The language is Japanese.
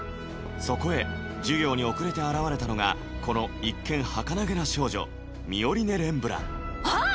そこへ授業に遅れて現れたのがこの一見はかなげな少女ミオリネ・レンブランあっ！